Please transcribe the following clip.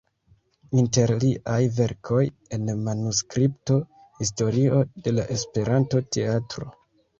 Inter liaj verkoj en manuskripto: Historio de la Esperanto-teatro.